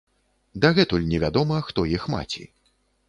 Дагэтуль невядома, хто іх маці.